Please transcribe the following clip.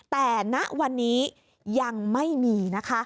แต่ณวันนี้ยังไม่มีนะคะ